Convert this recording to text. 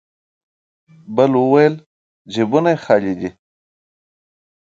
بل وويل: جيبونه يې خالي دی.